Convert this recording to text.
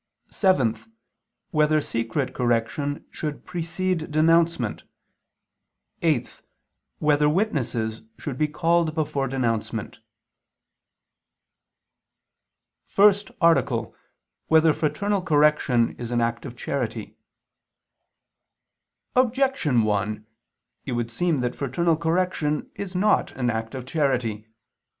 (7) Whether secret correction should precede denouncement? (8) Whether witnesses should be called before denouncement? _______________________ FIRST ARTICLE [II II, Q. 33, Art. 1] Whether Fraternal Correction Is an Act of Charity? Objection 1: It would seem that fraternal correction is not an act of charity.